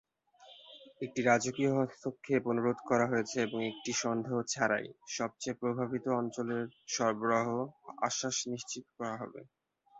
একটি রাজকীয় হস্তক্ষেপ অনুরোধ করা হয়েছে, এবং একটি সন্দেহ ছাড়াই, সবচেয়ে প্রভাবিত অঞ্চলের সরবরাহ আশ্বাস নিশ্চিত করা হবে।